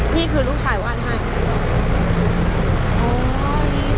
นี่คือลูกชายวาดให้